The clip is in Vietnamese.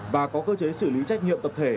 và có cơ chế xử lý trách nhiệm tập thể